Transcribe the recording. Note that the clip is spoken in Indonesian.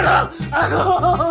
aduh aduh aduh